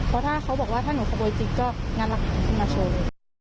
เพราะถ้าเขาบอกว่าถ้าหนูขโบยจิตก็นั่นละขึ้นมาเชิญ